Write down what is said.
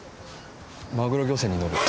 マグロ漁船に乗る。